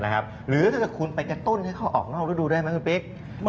หรือถ้าคุณใบกะตุ้นได้เข้าออกงอกรุ่นดูด้วยไหมคุณปิ๊ก